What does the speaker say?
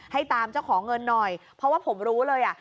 ให้ตามเจ้าของเงินหน่อยเพราะว่าผมรู้เลยอ่ะ